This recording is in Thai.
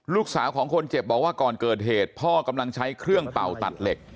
ลูกสาวของคนเจ็บบอกว่าก่อนเกิดเหตุพ่อกำลังใช้เครื่องเป่าตัดเหล็ก